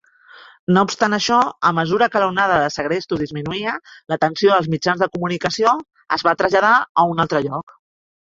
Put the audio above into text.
No obstant això, a mesura que l'onada de segrestos disminuïa, l'atenció dels mitjans de comunicació es va traslladar a un altre lloc.